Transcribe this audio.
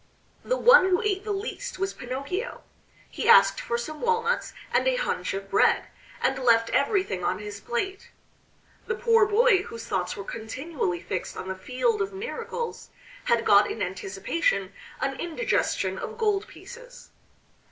The one who ate the least was Pinocchio. He asked for some walnuts and a hunch of bread, and left everything on his plate. The poor boy, whose thoughts were continually fixed on the Field of Miracles, had got in anticipation an indigestion of gold pieces.